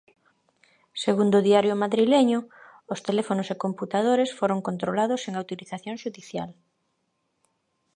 Segundo o diario madrileño, os teléfonos e computadores foron controlados sen autorización xudicial.